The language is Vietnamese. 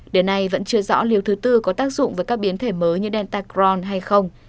điều này vẫn chưa rõ liều thứ tư có tác dụng với các biến thể mới như delta crohn hay không